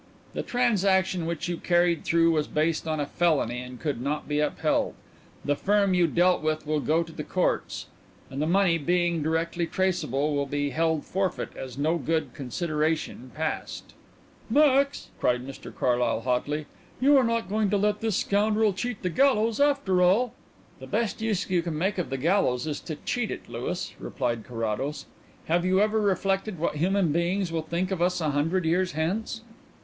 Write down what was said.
"The transaction which you carried through was based on a felony and could not be upheld. The firm you dealt with will go to the courts, and the money, being directly traceable, will be held forfeit as no good consideration passed." "Max!" cried Mr Carlyle hotly, "you are not going to let this scoundrel cheat the gallows after all?" "The best use you can make of the gallows is to cheat it, Louis," replied Carrados. "Have you ever reflected what human beings will think of us a hundred years hence?"